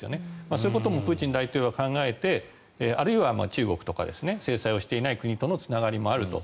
そういうこともプーチン大統領は考えてあるいは中国とか制裁をしていない国とのつながりもあると。